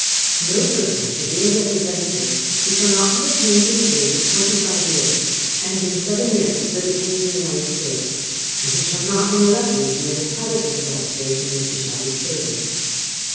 No Person shall be a Representative who shall not have attained to the Age of twenty five Years, and been seven Years a citizen of the United States, and who shall not, when elected, be an Inhabitant of that State in which he shall be chosen.